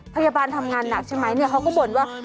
พยาบาลทำงานหนักใช่ไหมเนี่ยเขาก็บ่นว่า